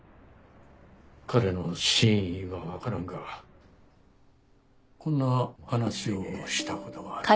彼の真意はわからんがこんな話をした事がある。